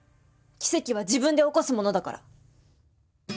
奇跡は自分で起こすものだから。